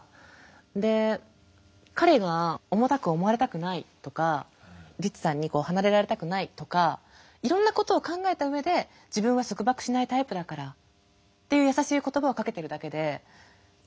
で彼が重たく思われたくないとかリツさんに離れられたくないとかいろんなことを考えた上で自分は束縛しないタイプだからっていう優しい言葉をかけてるだけで何かね